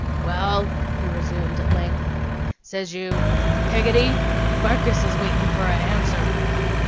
'Well!' he resumed at length. 'Says you, "Peggotty! Barkis is waitin' for a answer."